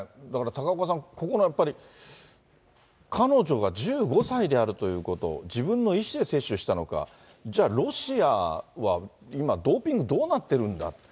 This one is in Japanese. だから高岡さん、ここのやっぱり、彼女が１５歳であるということ、自分の意思で接種したのか、じゃあ、ロシアは今、ドーピングどうなってるんだ。